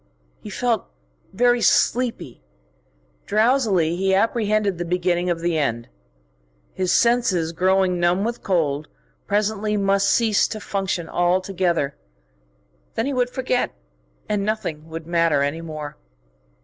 He felt very sleepy. Drowsily he apprehended the beginning of the end. His senses, growing numb with cold, presently must cease to function altogether. Then he would forget, and nothing would matter any more.